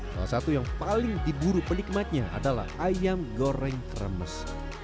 salah satu yang paling diburu penikmatnya adalah ayam goreng remes